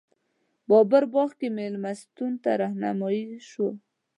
باغ بابر کې مېلمستون ته رهنمایي شوو.